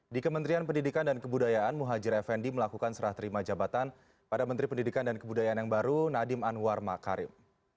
di kementerian pendidikan dan kebudayaan muhajir effendi melakukan serah terima jabatan pada menteri pendidikan dan kebudayaan yang baru nadiem anwar makarim